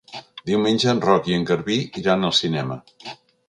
Diumenge en Roc i en Garbí iran al cinema.